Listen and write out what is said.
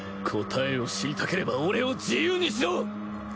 答えを知りたければ俺を自由にしろ！